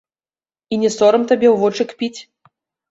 І не сорам табе ў вочы кпіць?